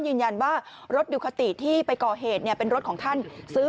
ยืนยันว่ารถดิวคาติที่ไปก่อเหตุเนี่ยเป็นรถของท่านซื้อ